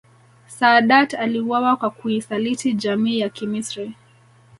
Saadat aliuawa kwa kuisaliti jamii ya Kimisri